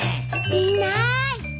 いない。